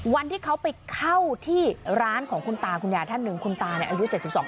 วันที่เขาไปเข้าที่ร้านของคุณตาคุณยายท่านหนึ่งคุณตาเนี่ยอายุ๗๒ปี